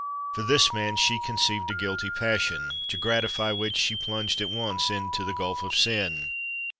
For this man she conceived a guilty passion, to gratify which she plunged at once into the gulf of sin.